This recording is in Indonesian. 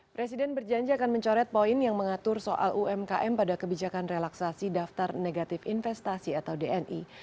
presiden berjanji akan mencoret poin yang mengatur soal umkm pada kebijakan relaksasi daftar negatif investasi atau dni